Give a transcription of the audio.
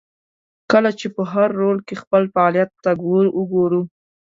کله چې په هر رول کې خپل فعالیت ته وګورو.